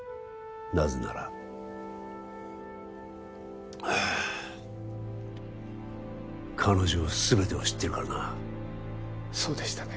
なぜならああっ彼女は全てを知っているからなそうでしたね